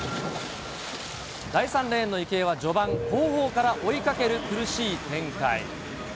第３レーンの池江は、序盤、後方から追いかける苦しい展開。